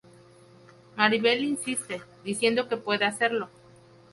Maribel insiste, diciendo que puede hacerlo.